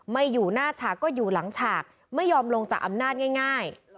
อยู่หน้าฉากก็อยู่หลังฉากไม่ยอมลงจากอำนาจง่าย